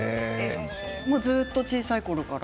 ずっと小さいころから？